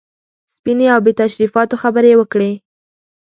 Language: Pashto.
سپینې او بې تشریفاتو خبرې یې وکړې.